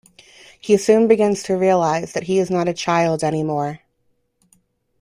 He soon begins to realize that he is not a child anymore.